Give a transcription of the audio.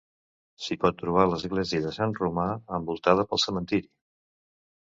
S'hi pot trobar l'església de Sant Romà, envoltada pel cementiri.